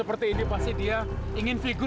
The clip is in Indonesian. simpulkan kondisi dia gitu